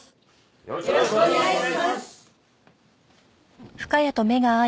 よろしくお願いします！